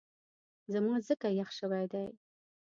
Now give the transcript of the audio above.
زما ځکه یخ شوی دی